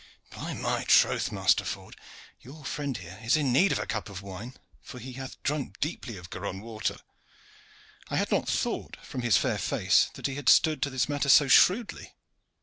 By my troth! master Ford, your friend here is in need of a cup of wine, for he hath drunk deeply of Garonne water. I had not thought from his fair face that he had stood to this matter so shrewdly."